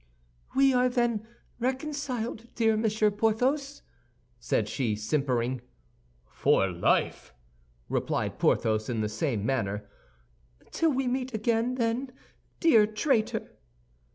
"We are then reconciled, dear Monsieur Porthos?" said she, simpering. "For life," replied Porthos, in the same manner. "Till we meet again, then, dear traitor!"